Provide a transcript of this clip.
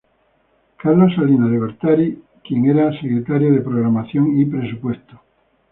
Carlos Salinas de Gortari quien era Secretario de Programación y Presupuesto.